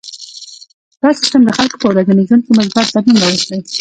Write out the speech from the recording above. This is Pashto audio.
دا سیستم د خلکو په ورځني ژوند کې مثبت بدلون راوستی.